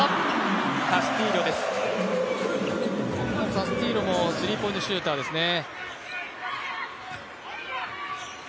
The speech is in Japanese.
カスティーリョもスリーポイントシューターですね。